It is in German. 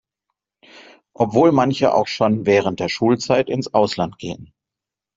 Obwohl manche auch schon während der Schulzeit ins Ausland gehen.